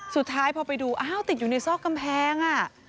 สุดท้ายพอไปดูอ้าวติดอยู่ในซอกกำแพง